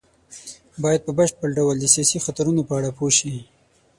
بايد په بشپړ ډول د سياسي خطرونو په اړه پوه شي.